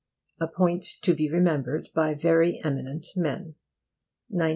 A POINT TO BE REMEMBERED BY VERY EMINENT MEN 1918.